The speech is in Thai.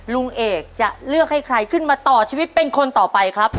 ลุงเอกจะเลือกให้ใครขึ้นมาต่อชีวิตเป็นคนต่อไปครับ